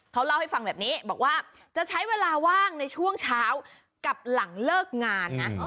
เขาเล่าให้ฟังแบบนี้บอกว่าจะใช้เวลาว่างในช่วงเช้ากับหลังเลิกงานนะ